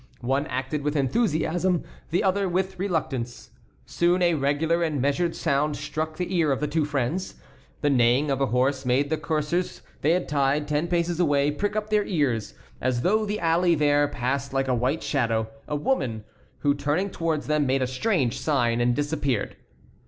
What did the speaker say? One acted with enthusiasm; the other with reluctance. Soon a regular and measured sound struck the ear of the two friends. The neighing of a horse made the coursers they had tied ten paces away prick up their ears, as through the alley there passed like a white shadow a woman who, turning towards them, made a strange sign and disappeared.